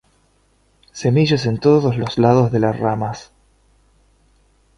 Semillas en todos los lados de las ramas.